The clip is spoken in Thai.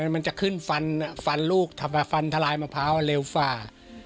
มันจะขึ้นฟันฟันลูกฟันทลายมะพร้าวเร็วฝ่า